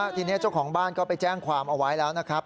ทีนี้เจ้าของบ้านก็ไปแจ้งความเอาไว้แล้วนะครับ